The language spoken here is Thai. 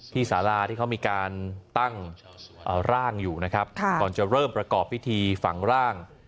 สาราที่เขามีการตั้งร่างอยู่นะครับก่อนจะเริ่มประกอบพิธีฝังร่าง